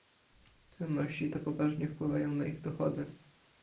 Trudności te poważnie wpływają na ich dochody